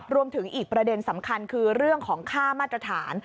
รวมถึงอีกประเด็นสำคัญคือเรื่องของค่ามาตรฐาน